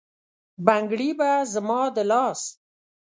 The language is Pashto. بنګړي به زما د لاس،